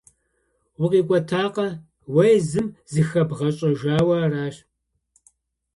Укъикӏуэтакъэ – уэ езым зыхэбгъэщӏэжауэ аращ.